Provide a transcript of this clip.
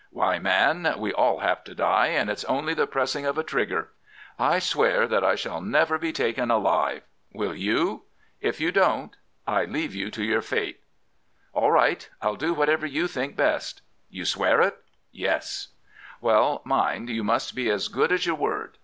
"'Why, man, we all have to die, and it's only the pressing of a trigger. I swear that I shall never be taken alive. Will you? If you don't, I leave you to your fate.' "'All right. I'll do whatever you think best.' "'You swear it?' "'Yes.' "'Well, mind, you must be as good as your word.